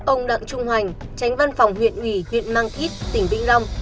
ông đặng trung hoành tránh văn phòng huyện nghỉ huyện mang thít tỉnh vĩnh long